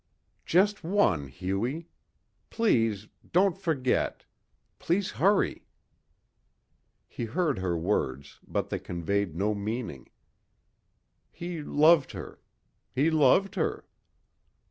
"Just one ... Hughie. Please ... don't forget. Please hurry...." He heard her words but they conveyed no meaning. He loved her ... he loved her.